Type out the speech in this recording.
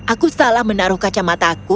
aku salah menaruh kacamata aku